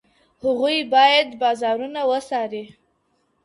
هغوی باید بازارونه وڅاري.